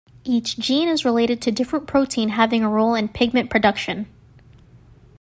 Each gene is related to different protein having a role in pigment production.